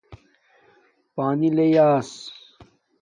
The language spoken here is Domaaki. پانی لݵ ایس